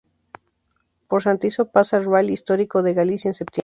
Por Santiso pasa el rally histórico de Galicia en septiembre.